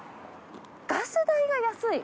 ガス代が安い？